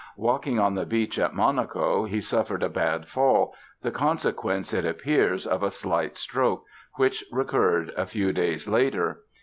Walking on the beach at Monaco he suffered a bad fall the consequence, it appears, of a slight stroke, which recurred a few days later.